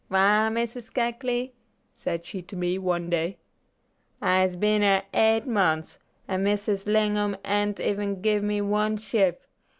"Why, Missus Keckley," said she to me one day, "I is been here eight months, and Missus Lingom an't even give me one shife.